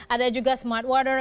ada juga smart water